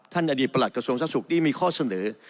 อดีตประหลักกระทรวงทรัพสุขนี่มีข้อเสนอ